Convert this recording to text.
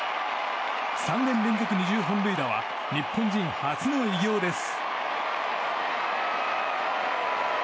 ３年連続２０本塁打は日本人初の偉業です。